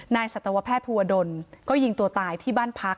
สัตวแพทย์ภูวดลก็ยิงตัวตายที่บ้านพัก